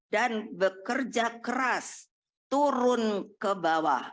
dan bekerja keras turun ke bawah